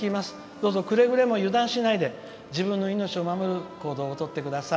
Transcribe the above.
どうぞくれぐれも油断しないで自分の命を守る行動をとってください。